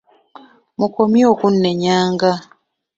Mukomye okunenyagana.